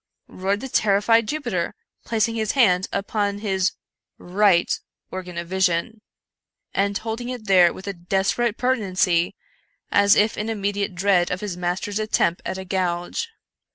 roared the terrified Jupiter, placing his hand upon his right organ of vision, and holding it there with a desperate pertinacity, as if in immediate dread of his mas ter's attempt at a gouge.